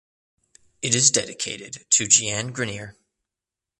It is dedicated to Jeanne Granier.